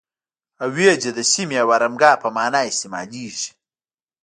اویجه د سیمې او آرامګاه په معنی استعمالیږي.